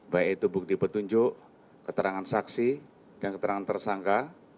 baik itu bukti petunjuk keterangan saksi dan keterangan tersangka